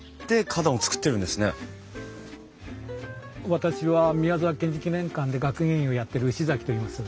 私は宮沢賢治記念館で学芸員をやってる牛崎といいます。